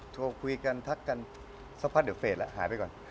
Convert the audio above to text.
โทรคุยกันทักกันสักพักเดี๋ยวเฟสแล้วหายไปก่อน